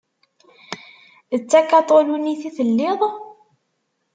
D takaṭulit i telliḍ?